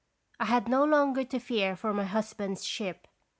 I had no longer to fear for my husband's ship.